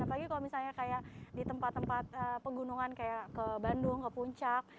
apalagi kalau misalnya kayak di tempat tempat pegunungan kayak ke bandung ke puncak